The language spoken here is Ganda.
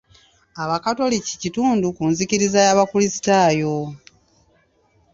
Abakatoliki kitundu ku nzikiriza y'obukrisitaayo.